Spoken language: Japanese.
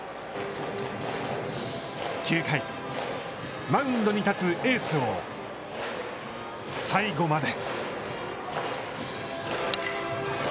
９回マウンドに立つエースを最後まで。